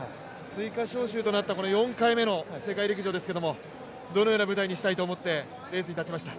追加招集となった４回目の世界陸上ですが、どのような舞台にしたいと思ってレースに立ちました？